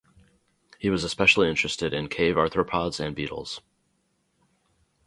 He was especially interested in cave arthropods and beetles.